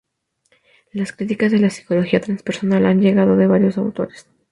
Las críticas de la psicología transpersonal han llegado de varios autores.